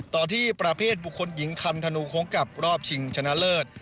ต่อที่ประเภทบุคคลหญิงคันธนูโค้งกับรอบชิงชนะเลิศ